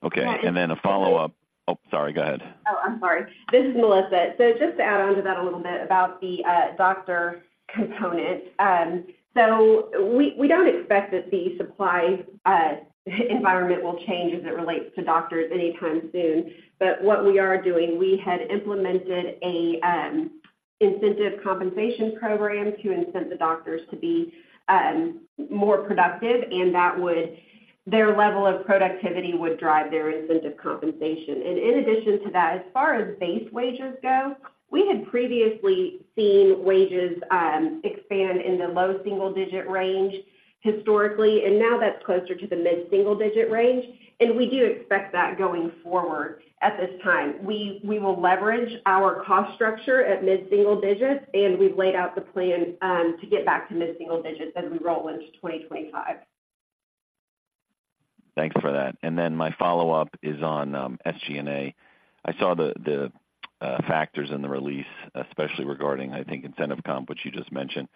Okay. Well, I- Then a follow-up. Oh, sorry, go ahead. Oh, I'm sorry. This is melissa. Just to add onto that a little bit about the doctor component. We don't expect that the supply environment will change as it relates to doctors anytime soon. W what we are doing, we had implemented a incentive compensation program to incent the doctors to be more productive, and that would - their level of productivity would drive their incentive compensation. In addition to that, as far as base wages go, we had previously seen wages expand in the low single-digit range historically, and now that's closer to the mid-single digit range, and we do expect that going forward at this time. We will leverage our cost structure at mid-single digits, and we've laid out the plan to get back to mid-single digits as we roll into 2025. Thanks for that. Then my follow-up is on SG&A. I saw the factors in the release, especially regarding, I think, incentive comp, which you just mentioned.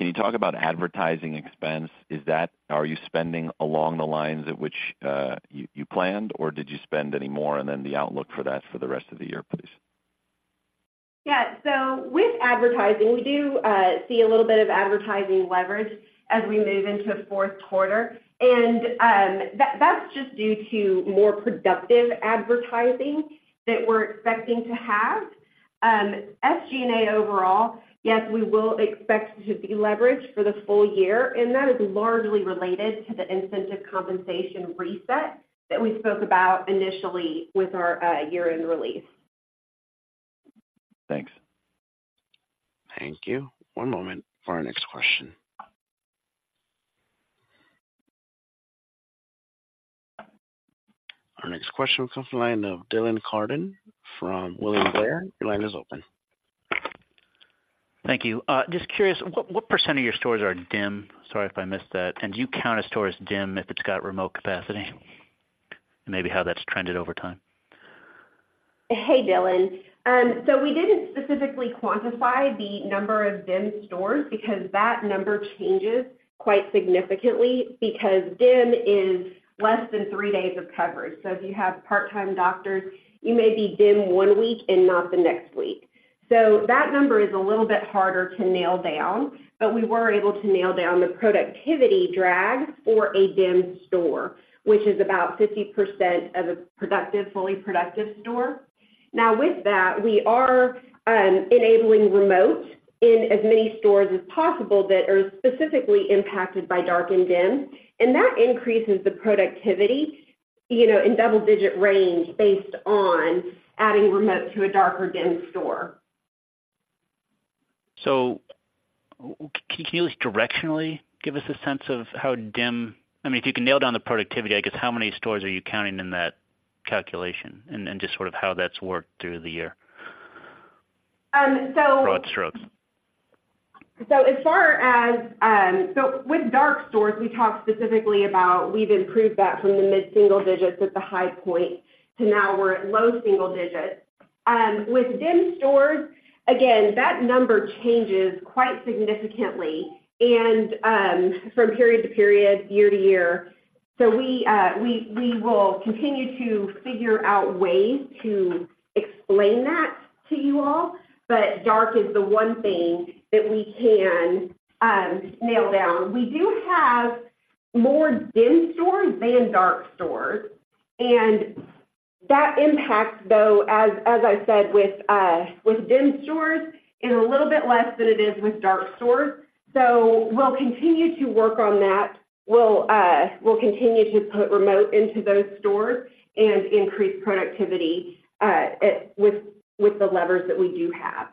Can you talk about advertising expense? Is that - are you spending along the lines at which you planned, or did you spend any more? Then the outlook for that for the rest of the year, please. yeah. With advertising, we do see a little bit of advertising leverage as we move into the Q4. that's just due to more productive advertising that we're expecting to have. SG&A overall, yes, we will expect to deleverage for the full year, and that is largely related to the incentive compensation reset that we spoke about initially with our year-end release. Thanks. Thank you. One moment for our next question. Our next question comes from the line of Dylan Carden from William Blair. Your line is open. Thank you. Just curious, what % of your stores are dim? Sorry if I missed that. Do you count a store as dim if it's got remote capacity? Maybe how that's trended over time. Hey, Dylan. We didn't specifically quantify the number of Dim stores because that number changes quite significantly, because Dim is less than three days of coverage. If you have part-time doctors, you may be Dim one week and not the next week. That number is a little bit harder to nail down, but we were able to nail down the productivity drag for a Dim store, which is about 50% of a productive, fully productive store. Now, with that, we are enabling remote in as many stores as possible that are specifically impacted by Dark and Dim, and that increases the productivity, you know, in double-digit range based on adding remote to a Dark or Dim store. So, can you just directionally give us a sense of how, I mean, if you can nail down the productivity, I guess, how many stores are you counting in that calculation? Just sort of how that's worked through the year. Broad strokes. With dark stores, we talked specifically about, we've improved that from the mid-single digits at the high point to, now we're at low single digits. With dim stores, again, that number changes quite significantly and, from period to period, year to year. We will continue to figure out ways to explain that to you all, but dark is the one thing that we can nail down. We do have more dim stores than dark stores, and that impacts, though, as I said, with dim stores is a little bit less than it is with dark stores. We'll continue to work on that. We'll continue to put remote into those stores and increase productivity at, with, with the levers that we do have.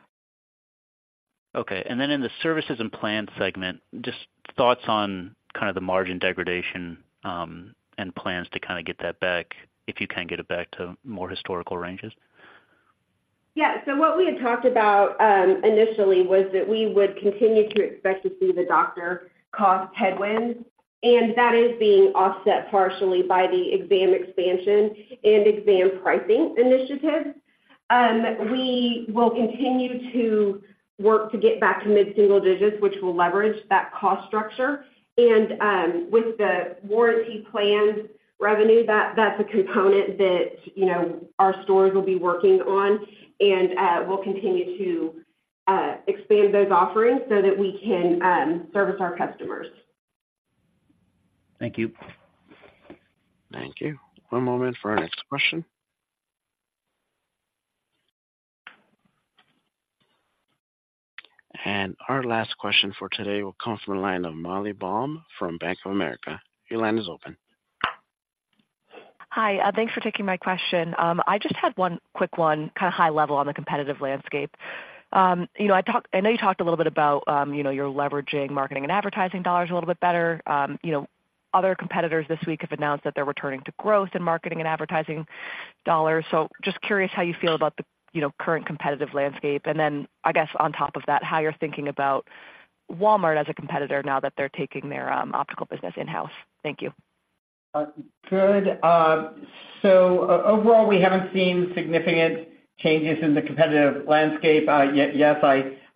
Okay. Then in the services and plans segment, just thoughts on kind of the margin degradation, and plans to kind of get that back, if you can get it back to more historical ranges? yeah. What we had talked about initially was that we would continue to expect to see the doctor cost headwinds, and that is being offset partially by the exam expansion and exam pricing initiatives. We will continue to work to get back to mid-single digits, which will leverage that cost structure. With the warranty plans revenue, that that's a component that you know our stores will be working on, and we'll continue to expand those offerings so that we can service our customers. Thank you. Thank you. One moment for our next question. Our last question for today will come from the line of Molly Baum from Bank of America. Your line is open. Hi, thanks for taking my question. I just had one quick one, kind of high level on the competitive landscape. You know, I know you talked a little bit about, you know, you're leveraging marketing and advertising dollars a little bit better. You know, other competitors this week have announced that they're returning to growth in marketing and advertising dollars. Just curious how you feel about the, you know, current competitive landscape. Then I guess on top of that, how you're thinking about Walmart as a competitor now that they're taking their optical business in-house. Thank you. Good. Overall, we haven't seen significant changes in the competitive landscape. Yes,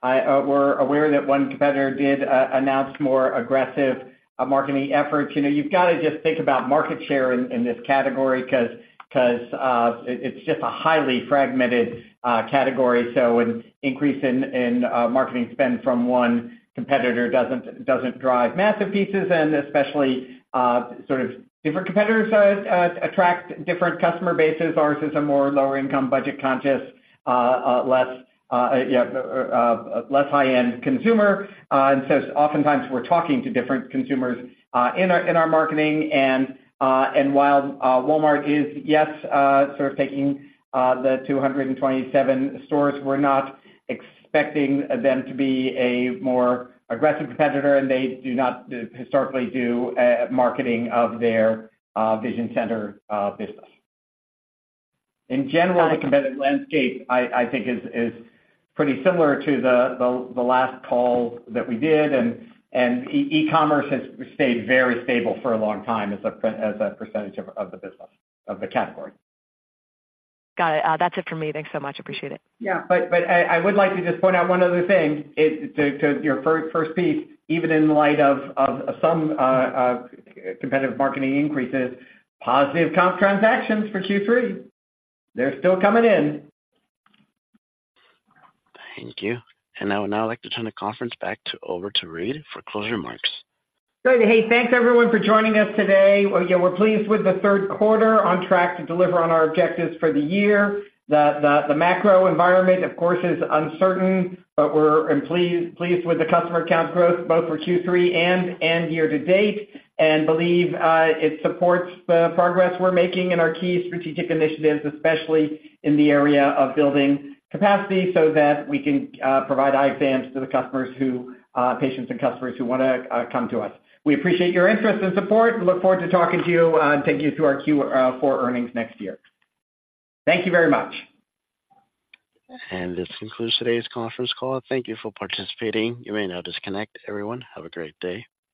we're aware that one competitor did announce more aggressive marketing efforts. You know, you've got to just think about market share in this category, because it is just a highly fragmented category. An increase in marketing spend from one competitor doesn't drive massive pieces, and especially sort of different competitors attract different customer bases. Ours is a more lower income, budget conscious, less high-end consumer. Oftentimes we're talking to different consumers in our marketing. While Walmart is, yes, sort of taking the 227 stores, we're not expecting them to be a more aggressive competitor, and they do not historically do marketing of their vision center business. In general, the competitive landscape, I think is pretty similar to the last call that we did, and ecommerce has stayed very stable for a long time as a percentage of the business, of the category. Got it. That's it for me. Thanks so much. Appreciate it. yeah. W I would like to just point out one other thing is to your first piece, even in light of some competitive marketing increases, positive comp transactions for Q3. They're still coming in. Thank you. I would now like to turn the conference over to Reade for closing remarks. Great. Hey, thanks, everyone, for joining us today. Well, yeah, we're pleased with the Q3, on track to deliver on our objectives for the year. The macro environment, of course, is uncertain, but we're pleased with the customer count growth, both for Q3 and year to date, and believe it supports the progress we're making in our key strategic initiatives, especially in the area of building capacity, so that we can provide eye exams to the patients and customers who wanna come to us. We appreciate your interest and support. We look forward to talking to you and taking you through our Q4 earnings next year. Thank you very much. This concludes today's conference call. Thank you for participating. You may now disconnect. Everyone, have a great day.